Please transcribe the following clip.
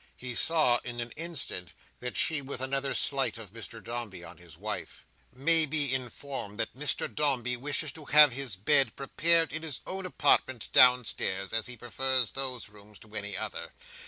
He saw, in an instant, that she was another slight of Mr Dombey's on his wife. "—may be informed that Mr Dombey wishes to have his bed prepared in his own apartments downstairs, as he prefers those rooms to any other.